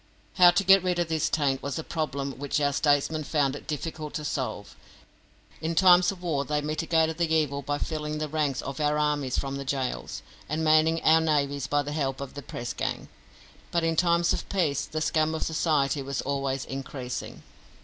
How to get rid of this taint was a problem which our statesmen found it difficult to solve. In times of war they mitigated the evil by filling the ranks of our armies from the gaols, and manning our navies by the help of the press gang, but in times of peace the scum of society was always increasing.